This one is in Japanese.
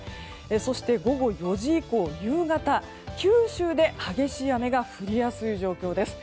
そして、午後４時以降、夕方九州で激しい雨が降りやすい状況です。